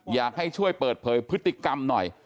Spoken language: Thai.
อยากให้ช่วยเปิดเผยพฤติกรรมหน่อย